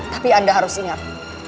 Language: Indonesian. tapi anda harus ingat